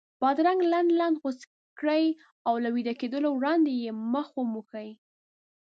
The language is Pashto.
بادرنګ لنډ لنډ غوڅ کړئ او له ویده کېدو وړاندې یې پر مخ وموښئ.